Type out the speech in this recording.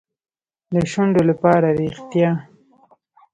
د شونډو لپاره ریښتیا.